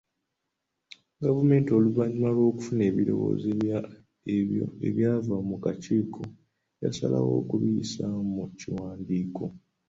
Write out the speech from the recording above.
Gavumenti oluvannyuma lw'okufuna ebirowoozo ebyo ebyava mu kakiiko yasalawo okubiyisa mu kiwandiiko.